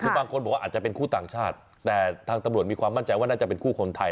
คือบางคนบอกว่าอาจจะเป็นคู่ต่างชาติแต่ทางตำรวจมีความมั่นใจว่าน่าจะเป็นคู่คนไทย